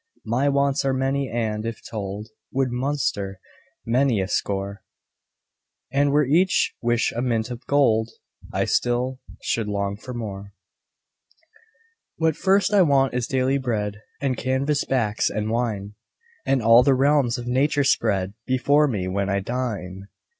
My wants are many and, if told, Would muster many a score; And were each wish a mint of gold, I still should long for more. What first I want is daily bread And canvas backs, and wine And all the realms of nature spread Before me, when I dine.